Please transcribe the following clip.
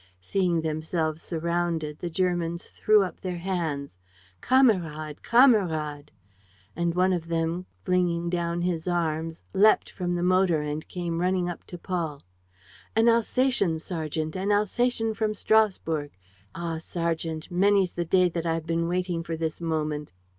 Seeing themselves surrounded, the Germans threw up their hands: "Kamerad! Kamerad!" And one of them, flinging down his arms, leapt from the motor and came running up to Paul: "An Alsatian, sergeant, an Alsatian from Strasburg! Ah, sergeant, many's the day that I've been waiting for this moment!"